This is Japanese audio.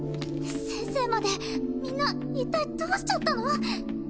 先生までみんな一体どうしちゃったの？